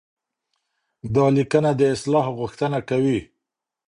دا ليکنه د اصلاح غوښتنه کوي.